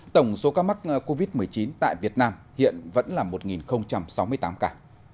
tổng số ca mắc covid một mươi chín tại việt nam hiện vẫn là một sáu mươi tám ca